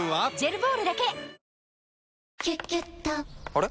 あれ？